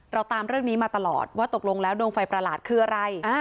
ตามเรื่องนี้มาตลอดว่าตกลงแล้วดวงไฟประหลาดคืออะไร